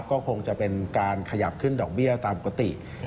ก็คงจะเป็นการขยับขึ้นดอกเบี้ยตามปกติ